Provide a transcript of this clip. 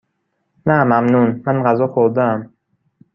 نه ممنون، من غذا خوردهام.